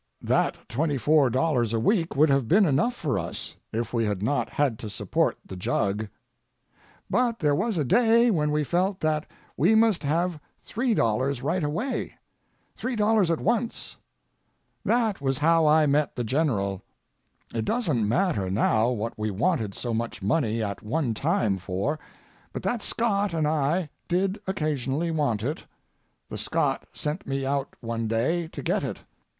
That $24 a week would have been enough for us—if we had not had to support the jug. But there was a day when we felt that we must have $3 right away—$3 at once. That was how I met the General. It doesn't matter now what we wanted so much money at one time for, but that Scot and I did occasionally want it. The Scot sent me out one day to get it.